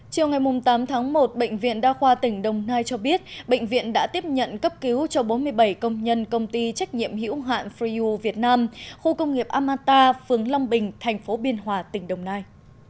chiều ngày tám tháng một bệnh viện đa khoa tỉnh đồng nai cho biết bệnh viện đã tiếp nhận cấp cứu cho bốn mươi bảy công nhân công ty trách nhiệm hữu hạn freyu việt nam khu công nghiệp amata phường long bình thành phố biên hòa tỉnh đồng nai